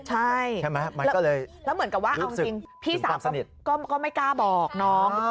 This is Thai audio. ใช่ใช่ไหมแล้วเหมือนกับว่าเอาจริงพี่สาวก็ไม่กล้าบอกน้อง